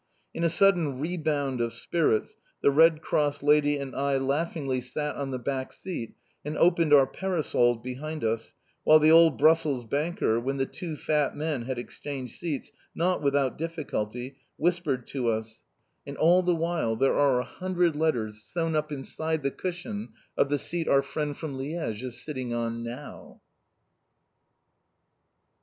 In a sudden rebound of spirits, the Red Cross lady and I laughingly sat on the back seat, and opened our parasols behind us, while the old Brussels banker, when the two fat men had exchanged seats not without difficulty, whispered to us: "And all the while there are a hundred letters sewn up inside the cushion of the seat our friend from Liège is sitting on now!"